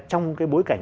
trong cái bối cảnh